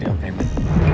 aku bisa dilihat